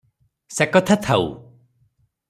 ସେକଥା ଥାଉ ।